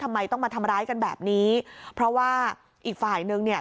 ทำไมต้องมาทำร้ายกันแบบนี้เพราะว่าอีกฝ่ายนึงเนี่ย